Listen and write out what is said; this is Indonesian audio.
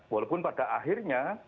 walaupun pada akhirnya